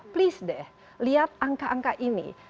please deh lihat angka angka ini